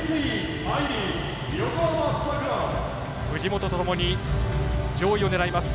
藤本とともに上位を狙います。